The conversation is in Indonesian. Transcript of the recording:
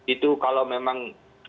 itu kalau memang